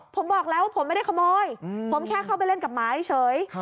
ผมบอกแล้วว่าผมไม่ได้ขโมยผมแค่เข้าไปเล่นกับหมาเฉย